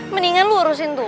mendingan lu urusin tuh